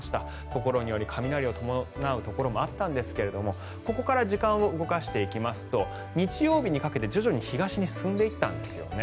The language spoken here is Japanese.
ところにより雷を伴うところがあったんですがここから時間を動かしていきますと日曜日にかけて徐々に東に進んでいったんですよね。